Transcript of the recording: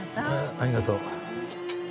ありがとう。